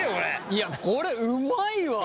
いやこれうまいわ！